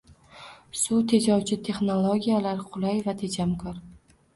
Suv tejovchi texnologiyalar: qulay va tejamkor